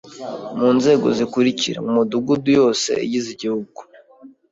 mu nzego zikurikira:Mu Midugudu yose igize igihugu